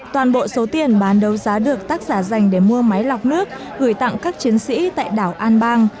toàn bộ số tiền bán đấu giá được tác giả dành để mua máy lọc nước gửi tặng các chiến sĩ tại đảo an bang